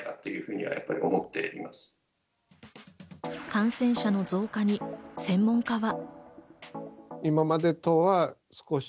感染者の増加に、専門家は。